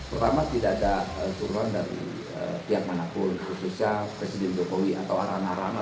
pertama tidak ada turunan dari pihak manapun khususnya presiden jokowi atau arana ranah